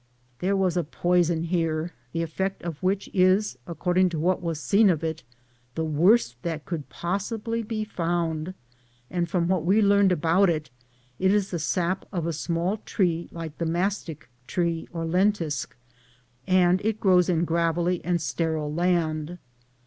There was a poison here, the effect of which is, according to what was seen of it, the worst that could possibly be found; and from what we learned about it, it is die sap of a small tree like the mastick tree, or lentisk, and it grows in gravelly and sterile land.